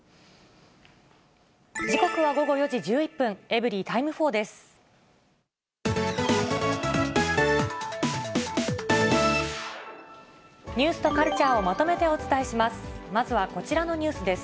時刻は午後４時１１分、エブリィタイム４です。